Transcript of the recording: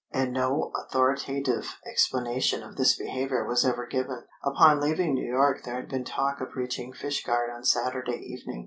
And no authoritative explanation of this behaviour was ever given. Upon leaving New York there had been talk of reaching Fishguard on Saturday evening.